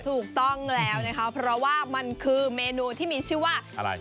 ถูกต้องแล้วนะคะเพราะว่ามันคือเมนูที่มีชื่อว่าอะไร